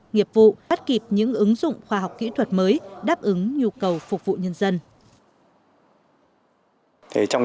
nghiệp vụ bắt kịp những ứng dụng khoa học kỹ thuật mới đáp ứng nhu cầu phục vụ nhân dân